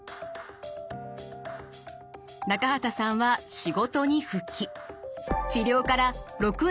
中畠さんは仕事に復帰。